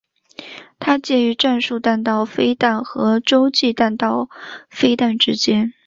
它介于战术弹道飞弹和洲际弹道飞弹之间。